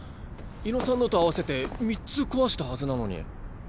猪野さんのと合わせて３つ壊したはずなのに。